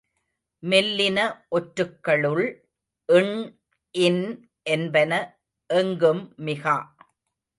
மெல்லின ஒற்றுக்களுள் ண், ன் என்பன எங்கும் மிகா.